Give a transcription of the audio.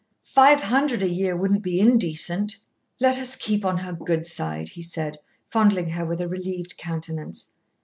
"Five hundred a year wouldn't be indecent." "Let us keep on her good side," he said, fondling her, with a relieved countenance.